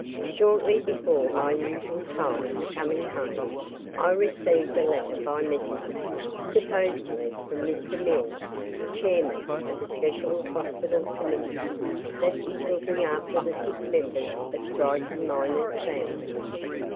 Shortly before my usual time for coming home, I received a letter by messenger, supposedly from Mr. Mills, chairman of a special hospital committee that is looking after the sick members of striking miners' families.